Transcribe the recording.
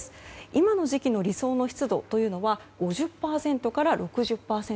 今の時期の理想の湿度というのは５０％から６０％。